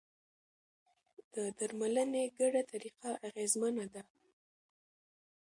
د درملنې ګډه طریقه اغېزمنه ده.